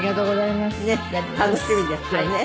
楽しみですよね。